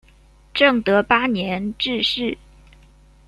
正德八年致仕。